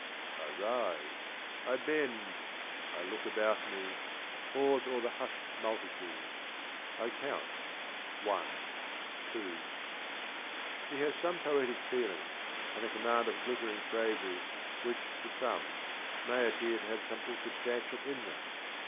' I rise, I bend, I look about me, pause O'er the hushed multitude: I count — One, two —" He has some poetic feeling and a command of glittering phrases which to some may appear to have something substantial in them.